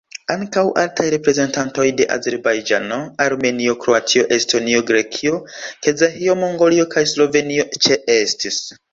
Ankaŭ altaj reprezentantoj de Azerbajĝano, Armenio, Kroatio, Estonio, Grekio, Kazaĥio, Mongolio kaj Slovenio ĉeestis.